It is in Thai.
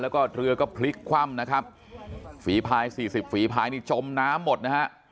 แล้วก็เมื่อก็พลิกคว่ำนะครับฝีภาย๔๐ฝีภายจมน้ำหมดนะฮะ